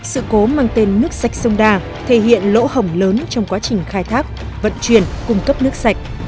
sự cố mang tên nước sạch sông đà thể hiện lỗ hổng lớn trong quá trình khai thác vận chuyển cung cấp nước sạch